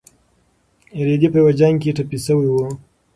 رېدی په یو جنګ کې ټپي شوی و.